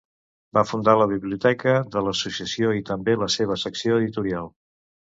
Va fundar la biblioteca de l'associació i també la seva secció editorial.